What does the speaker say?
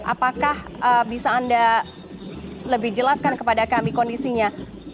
apakah bisa anda lebih jelaskan kepada kami kondisinya